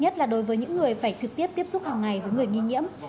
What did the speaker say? nhất là đối với những người phải trực tiếp tiếp xúc hàng ngày với người nghi nhiễm